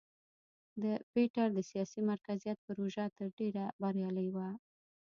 د پیټر د سیاسي مرکزیت پروژه تر ډېره بریالۍ وه.